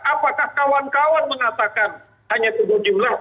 apakah kawan kawan mengatakan hanya tiga jumlah